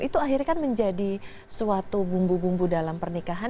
itu akhirnya kan menjadi suatu bumbu bumbu dalam pernikahan